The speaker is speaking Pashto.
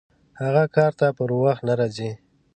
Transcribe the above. هغه کار ته پر وخت نه راځي!